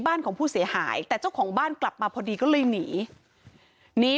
บ้านของผู้เสียหายแต่เจ้าของบ้านกลับมาพอดีก็เลยหนีหนี